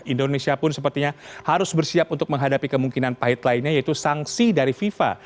indonesia pun sepertinya harus bersiap untuk menghadapi kemungkinan pahit lainnya yaitu sanksi dari fifa